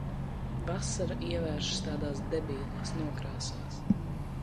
Vasara ievēršas tādās debilās nokrāsās.